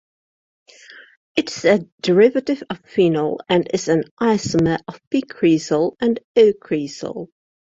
It is a derivative of phenol and is an isomer of "p"-cresol and "o"-cresol.